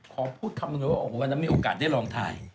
ขอพูดครับมีโอกาสได้ลองถ่าย